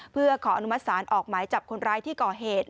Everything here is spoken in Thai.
เพื่อขออนุมัติศาลออกหมายจับคนร้ายที่ก่อเหตุ